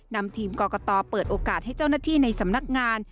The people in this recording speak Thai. นำทีมกรกตเปิดโอกาสให้เจ้าหน้าที่ในสำนักงาน